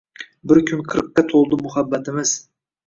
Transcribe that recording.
Bu kun qirqqa to’ldi muhabbatimiz.